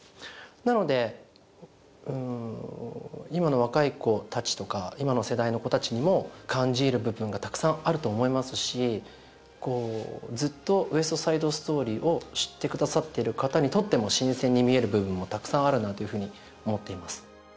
なのでうーん今の若い子たちとか今の世代の子たちにも感じ入る部分がたくさんあると思いますしこうずっと「ウエスト・サイド・ストーリー」を知ってくださってる方にとっても新鮮に見える部分もたくさんあるなというふうに思っています